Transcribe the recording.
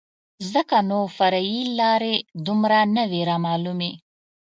ځکه نو فرعي لارې دومره نه وې رامعلومې.